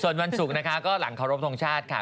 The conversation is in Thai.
ส่วนวันศุกร์นะคะก็หลังเคารพทงชาติค่ะ